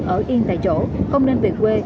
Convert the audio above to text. ở yên tại chỗ không nên về quê